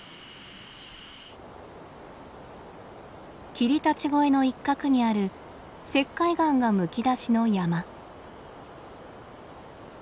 霧立越の一角にある石灰岩がむき出しの山。